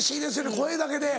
声だけで。